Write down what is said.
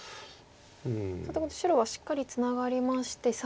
白はしっかりツナがりましてさあ